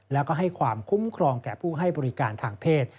แล้วก็ให้ความคุ้มครองแก่ผู้ให้บริการทางเพศ